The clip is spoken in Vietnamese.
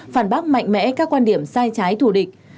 phản bác mạnh mẽ các quan điểm sai trái thù địch